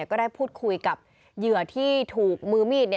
ก็ได้พูดคุยกับเหยื่อที่ถูกมือมีดเนี่ย